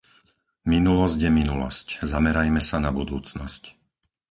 Minulosť je minulosť; zamerajme sa na budúcnosť.